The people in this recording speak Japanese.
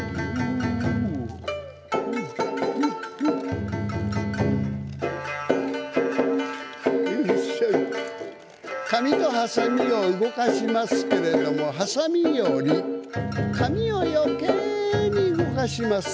お囃子紙とはさみを動かしますけれど、はさみより紙をよけいに動かします。